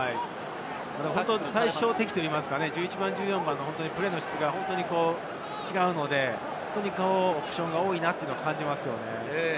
対照的といいますか、１１番と１４番のプレーの質が違うので、オプションが多いというのを感じますよね。